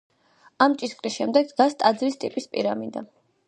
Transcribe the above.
ამ ჭიშკრის შემდეგ დგას ტაძრის ტიპის პირამიდა.